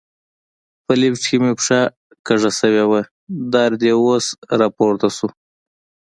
په لفټ کې مې پښه کږه شوې وه، درد یې اوس را پورته شو.